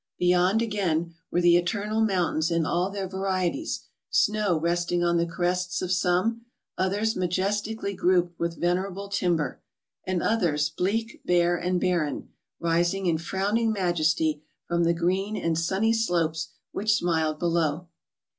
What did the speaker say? Beyond, again, were the eternal mountains in all their varieties; snow resting on the crests of some, others majestically grouped with venerable timber, and others bleak, bare, and barren, rising in frown¬ ing majesty from the green and sunny slopes which smiled below.